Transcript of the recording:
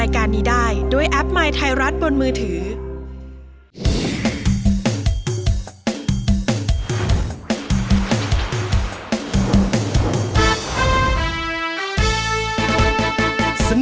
คุณล่ะโหลดหรือยัง